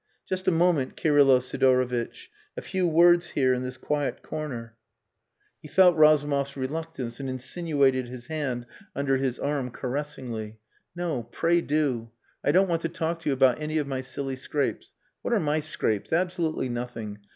"Just a moment, Kirylo Sidorovitch. A few words here in this quiet corner." He felt Razumov's reluctance, and insinuated his hand under his arm caressingly. "No pray do. I don't want to talk to you about any of my silly scrapes. What are my scrapes? Absolutely nothing.